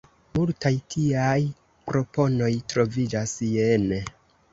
Multaj tiaj proponoj troviĝas jene.